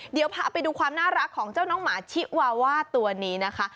เดี๋ยวพาไปดูความน่ารักของเจ้าน้องหมาชิวาว่าตัวนี้นะคะ